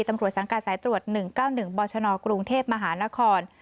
ตำรวจสังกัดสายตรวจ๑๙๑บชนกรุงเทพมหานคร